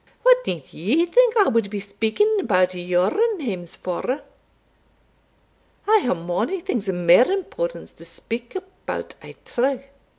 What need ye think I wad be speaking about your names for? I hae mony things o' mair importance to speak about, I trow."